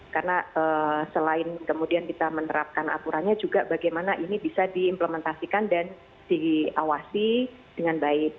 karena selain kemudian kita menerapkan aturannya juga bagaimana ini bisa diimplementasikan dan diawasi dengan baik